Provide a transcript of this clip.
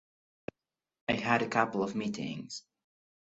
I had a couple of meetings.